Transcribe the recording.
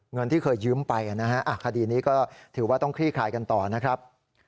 เงินที่เคยยืมไปนะฮะคดีนี้ก็ถือว่าต้องคลี่คลายกันต่อนะครับ